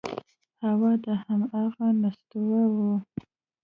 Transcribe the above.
هو دا همغه نستوه و…